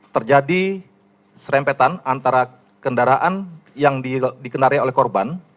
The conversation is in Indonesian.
terjadi serempetan antara kendaraan yang dikendari oleh korban